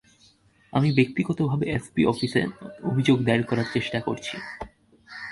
আমি ব্যক্তিগতভাবে এসপি অফিসে অভিযোগ দায়ের করার চেষ্টা করেছি।